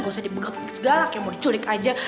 gak usah dibekep segalak ya mau diculik aja